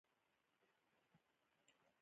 یو جسم دی او یو روح